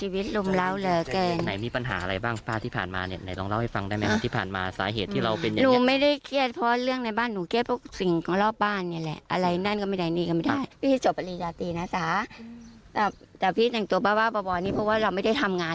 ว่าพี่เป็นคนบ้านใหม่อ่ะกูอยากทำอะไรกูก็ทำ